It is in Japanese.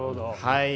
はい。